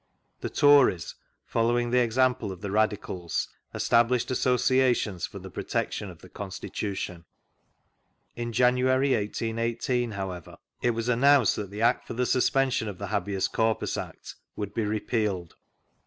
The Tories, following the examjAe of the Radicals, established Associations for the protection of the Constitution. In January, 181S, however, it was announced that the Act for the suspension of the Habeas Corpus Act would be repealed.